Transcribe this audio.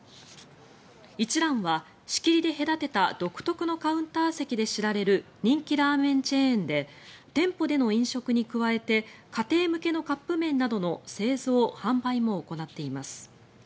一蘭は仕切りで隔てた独特のカウンター席で知られる人気ラーメンチェーンで店舗での飲食に加えて家庭向けのカップ麺などの製造・販売も行っています。